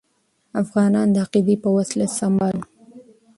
افغانان د عقیدې په وسله سمبال وو.